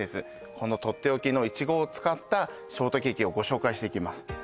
このとっておきのいちごを使ったショートケーキをご紹介していきます